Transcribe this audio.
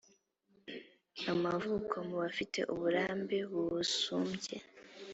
amavuko mu bafite uburambe busumbye